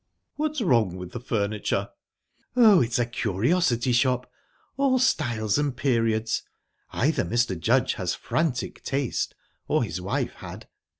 "What's wrong with the furniture?" "Oh, it's a curiosity shop. All styles and periods...Either Mr. Judge has frantic taste or his wife had.